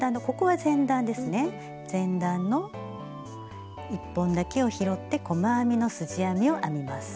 前段の１本だけを拾って細編みのすじ編みを編みます。